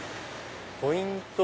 ポイント